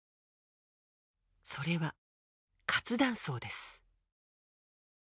それは活断層です。